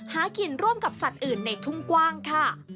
หากินร่วมกับสัตว์อื่นในทุ่งกว้างค่ะ